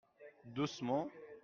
Doucement.